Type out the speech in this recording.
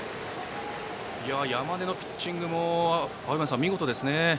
山根のピッチング青山さん、見事ですね。